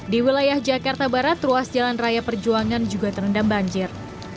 di wilayah jakarta barat ruas jalan raya perjuangan juga terendam banjir